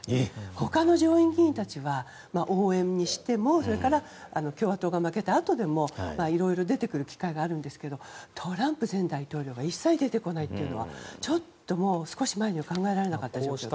ほかの上院議員たちは応援にしても共和党が負けたあとでも色々出てくる機会があるんですがトランプ前大統領が一切出てこないというのはちょっと少し前には考えられなかったことでした。